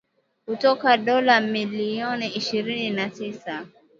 Kutoka dola milioni ishirini na tisa